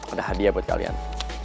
udah hadiah buat kalian